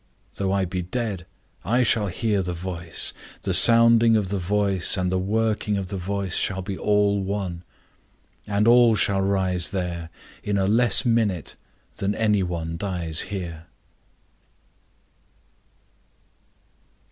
Though I be dead, I shall hear the voice; the sounding of the voice and the working of the voice shall be all one; and all shall rise there in a less minute than any one dies here.